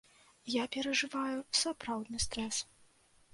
Я перажываю сапраўдны стрэс.